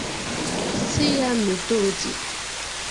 si ya n’udo dị